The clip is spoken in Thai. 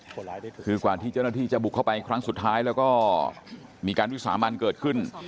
คือกว่าที่เจ้าหน้าที่จะบุกเข้าไปครั้งสุดท้ายแล้วก็มีการวิสามันเกิดขึ้น